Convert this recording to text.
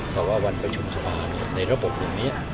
เพราะว่าวันประชุมทบาทในระบบเหล่านี้